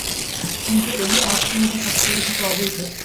কিন্তু এলী, আজ তুমি যে কাজ করলে সেটা অবৈধ।